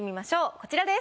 こちらです。